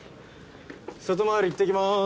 外回り行ってきます。